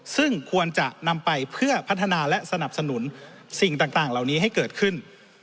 ซึ่งควรจะนำไปเพื่อพัฒนาและสนับสนุนสิ่งต่างเหล่านี้ให้เกิดขึ้น